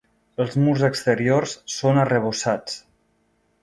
Els murs exteriors són arrebossats.